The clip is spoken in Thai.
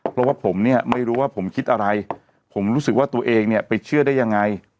เพราะว่าผมเนี่ยไม่รู้ว่าผมคิดอะไรผมรู้สึกว่าตัวเองเนี่ยไปเชื่อได้ยังไง